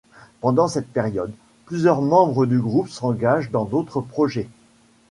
Pendant cette période, plusieurs membres du groupe s'engagent dans d'autres projets.